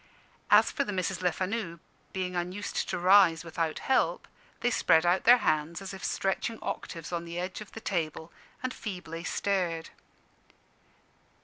As for the Misses Lefanu, being unused to rise without help, they spread out their hands as if stretching octaves on the edge of the table, and feebly stared.